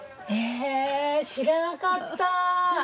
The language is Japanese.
えっ知らなかった。